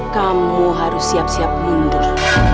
kamu harus siap siap mundur